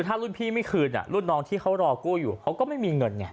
ถ้ารุ่นพี่ไม่คืนรุ่นน้องที่เขารอกู้อยู่เขาก็ไม่มีเงินไง